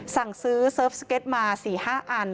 สั่งซื้อเสิร์ฟสเก็ตมา๔๕อัน